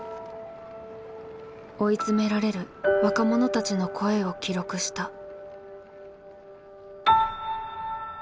追い詰められる若者たちの声を記録した。